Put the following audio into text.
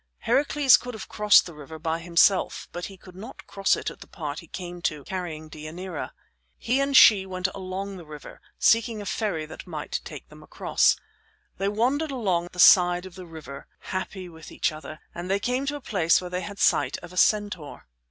Heracles could have crossed the river by himself, but he could not cross it at the part he came to, carrying Deianira. He and she went along the river, seeking a ferry that might take them across. They wandered along the side of the river, happy with each other, and they came to a place where they had sight of a centaur.